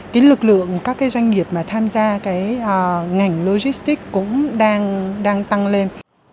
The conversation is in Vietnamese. cái lực lượng các cái doanh nghiệp mà tham gia cái ngành logistics cũng đang tăng lên